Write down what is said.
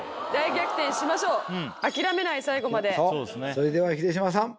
それでは秀島さん。